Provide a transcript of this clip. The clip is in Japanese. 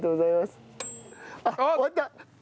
あっ終わった。